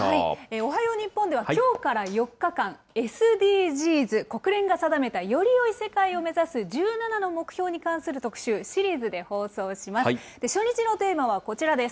おはよう日本ではきょうから４日間、ＳＤＧｓ、国連が定めたよりよい世界を目指す１７の目標に関する特集、シリーズで放送します。